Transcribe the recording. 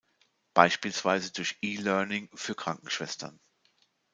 Beispielsweise durch E-Learning für Krankenschwestern.